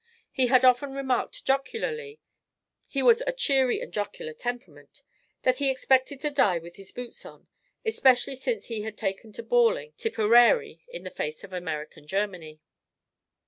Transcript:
He had often remarked jocularly (his was a cheery and jocular temperament) that he expected to die with his boots on, especially since he had taken to bawling Tipperary in the face of American Germany.